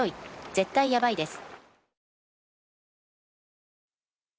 絶対やばいです。